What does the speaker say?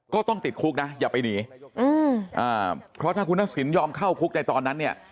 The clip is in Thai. ก็ต้องติดคุกนะอย่าไปหนีเพราะถ้าคุณทักษิณยอมเข้าคุกในตอนนั้นเนี่ย